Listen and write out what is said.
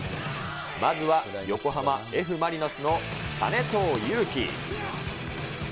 まずは横浜Ｆ・マリノスの實藤友紀。